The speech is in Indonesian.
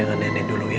dengan nenek dulu ya